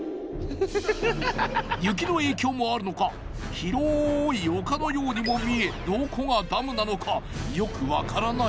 雪の影響もあるのか広い丘のようにも見えどこがダムなのかよく分からない。